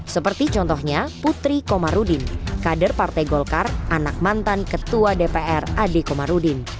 seperti contohnya putri komarudin kader partai golkar anak mantan ketua dpr ade komarudin